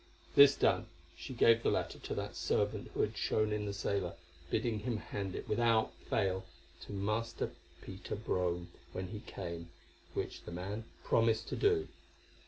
This done, she gave the letter to that servant who had shown in the sailor, bidding him hand it, without fail, to Master Peter Brome when he came, which the man promised to do.